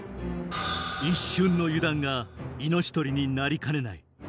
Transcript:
一瞬の油断が命取りになりかねない